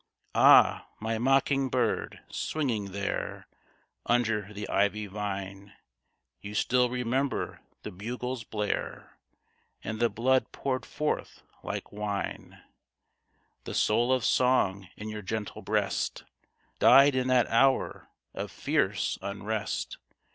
Ah, my mocking bird ! swinging there Under the ivy vine, You still remember the bugle's blare. And the blood poured forth like wine. The soul of song in your gentle breast Died in that hour of fierce unrest.